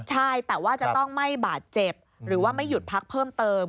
ใช่แต่ว่าจะต้องไม่บาดเจ็บหรือว่าไม่หยุดพักเพิ่มเติม